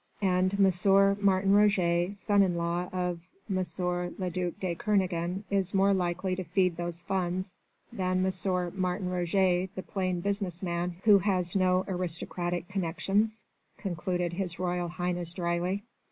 "And M. Martin Roget son in law of M. le duc de Kernogan is more likely to feed those funds than M. Martin Roget the plain business man who has no aristocratic connexions," concluded His Royal Highness dryly.